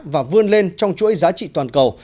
và vươn lên trong chuỗi giá trị toàn cầu